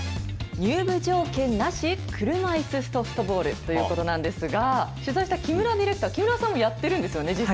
入部条件なし車いすソフトボールということなんですが取材した木村ディレクターも実際にやってるんですよね。